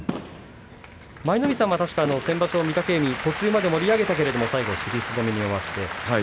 舞の海さんは先場所、御嶽海途中まで盛り上げたいけれど尻すぼみに終わってしまって